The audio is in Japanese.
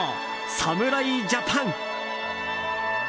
侍ジャパン。